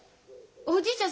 おじいちゃん